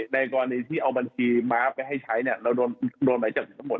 ในกรณีที่เอาบัญชีมาให้ใช้เราโดนไหมจับทั้งหมด